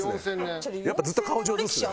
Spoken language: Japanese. やっぱずっと顔上手ですね。